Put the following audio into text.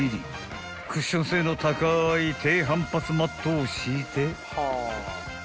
クッション性の高い低反発マットを敷いて］